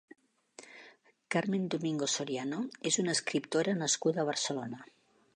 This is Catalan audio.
Carmen Domingo Soriano és una escriptora nascuda a Barcelona.